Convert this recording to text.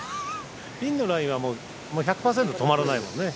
ピンのラインは１００％止まらないもんね。